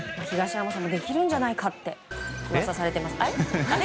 東山さんもできるんじゃないかって噂されています。